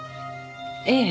ええ。